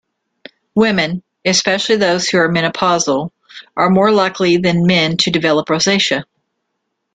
Women, especially those who are menopausal, are more likely than men to develop rosacea.